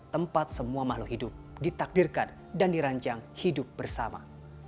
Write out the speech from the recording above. tempat semua makhluk hidup ditakdirkan dan dirancang hidup bersama